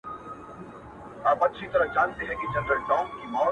هوسا کړي مي لا نه وه د ژوند ستړي سفرونه!!